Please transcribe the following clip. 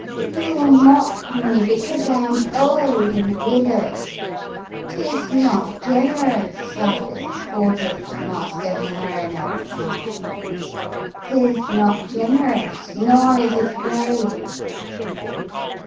" You mock me because I am old and withered; 'tis not generous, Silas Fordred, master mariner of Hythe, — 'tis not generous, nor is it brave."